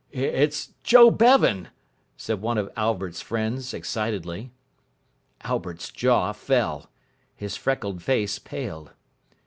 "It's Joe Bevan," said one of Albert's friends, excitedly. Albert's jaw fell. His freckled face paled.